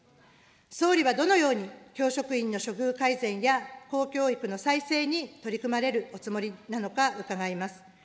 総理はどのように教職員の処遇改善や公教育の再生に取り組まれるおつもりなのか伺います。